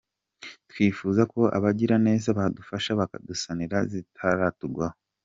Twifuza ko abagiraneza badufasha bakadusanira zitaratugwaho.